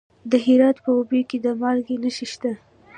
د هرات په اوبې کې د مالګې نښې شته.